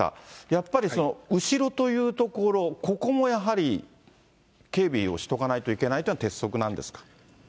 やっぱり後ろという所、ここもやはり、警備をしとかないといけないというのは鉄則なんですか。